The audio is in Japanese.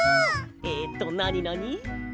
えっとなになに。